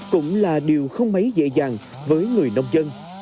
cũng là điều không mấy dễ dàng với người nông dân